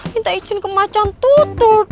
minta izin ke macan tutur